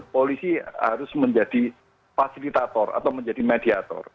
polisi harus menjadi fasilitator atau menjadi mediator